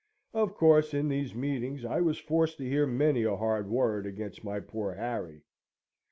Of course, in these meetings I was forced to hear many a hard word against my poor Harry.